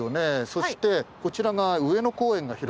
そしてこちらが。